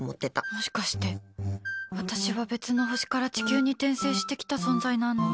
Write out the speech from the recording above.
もしかして私は別の星から地球に転生してきた存在なの？